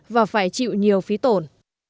và phải chịu nhiều phí tổn